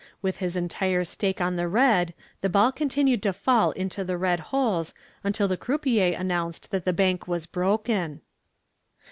With his entire stake on the red the ball continued to fall into the red holes until the croupier announced that the bank was broken.